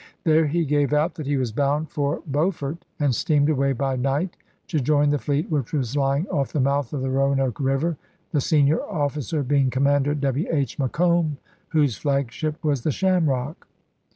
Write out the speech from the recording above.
There he gave out that he was bound for Beaufort and steamed away by night to join the fleet which was lying off the mouth of the Roanoke River, the senior officer being Commander W. H. Macomb, whose flagship was the Shamrock.